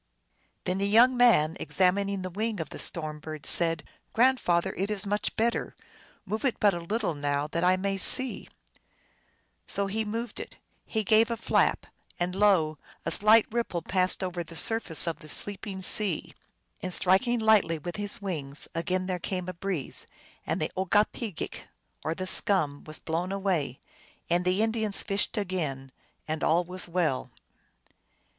Then the young man, examining the wing of the storm bird, said, " Grandfather, it is much better ; move it but a little now, that I may see !" So he moved it ; he gave a flap, and lo ! a slight ripple passed over the surface of the sleeping sea. And striking lightly with his wings, again there came a breeze, and the OgokpcgeaJc, or the scum, was blown away, and the Indians fished again, and all was well.